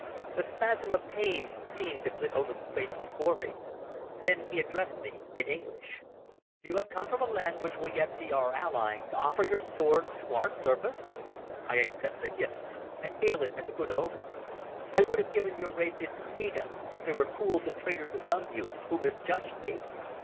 A spasm of pain seemed to flit over the face before me. Then he addressed me in English. "You have come from a land which will yet be our ally to offer your sword to our service? I accept the gift and hail it as a good omen. I would have given your race its freedom, but there were fools and traitors among you who misjudged me.